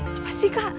apa sih kak